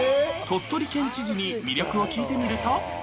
鳥取県知事に魅力を聞いてみると。